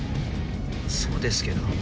そうですけど。